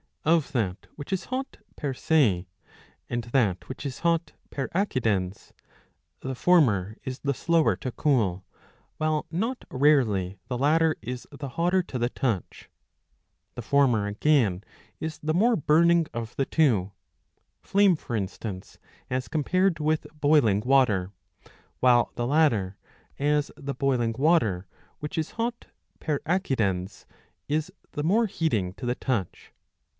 Of that which is hot per se and that which is hot per accidens, the former is the slower to cool, while not rarely the latter is the hotter to the touch. The former again is the more burning of the two — flame for instance as compared with boiling water — while the latter, as the boiling water, which is hot per accidens, is the more heating to the touch.